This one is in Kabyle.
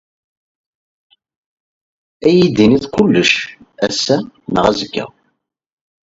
Ad iyi-d-yini kullec, ass-a neɣ azekka.